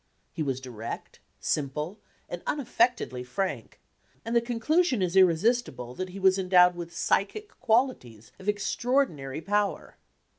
He was direct, simple, and unaffectedly frank, and the conclusion is irresistible that he was en dowed with psychic qualities of extraordinary power.